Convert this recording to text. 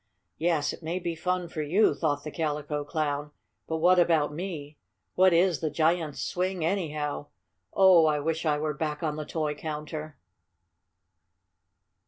"Yes, it may be fun for you," thought the Calico Clown, "but what about me? What is the giant's swing, anyhow? Oh, I wish I were back on the toy counter!"